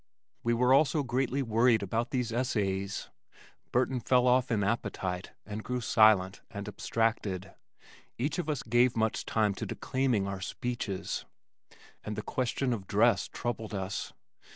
We were also greatly worried about these essays. Burton fell off in appetite and grew silent and abstracted. Each of us gave much time to declaiming our speeches, and the question of dress troubled us.